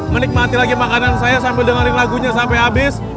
menikmati lagi makanan saya sampai dengerin lagunya sampai habis